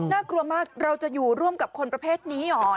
กลัวมากเราจะอยู่ร่วมกับคนประเภทนี้เหรอ